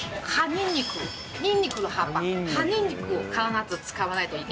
ニンニクニンニクの葉っぱ葉ニンニクを必ず使わないといけない。